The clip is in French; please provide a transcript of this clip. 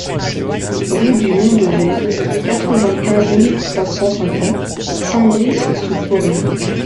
Rue du Mont de Veine, quatre-vingt-quinze mille trois cent cinquante Saint-Brice-sous-Forêt